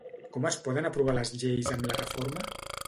Com es poden aprovar les lleis amb la reforma?